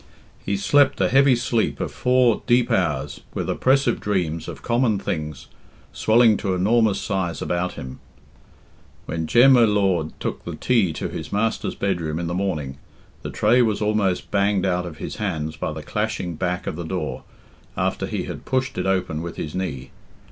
He slept a heavy sleep of four deep hours, with oppressive dreams of common things swelling to enormous size about him. When Jem y Lord took the tea to his master's bedroom in the morning, the tray was almost banged out of his hands by the clashing back of the door, after he had pushed it open with his knee.